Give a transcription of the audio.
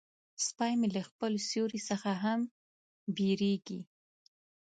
سپي مې له خپل سیوري څخه هم بیریږي.